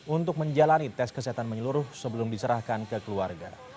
untuk menjalani tes kesehatan menyeluruh sebelum diserahkan ke keluarga